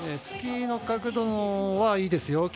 スキーの角度はいいですよ。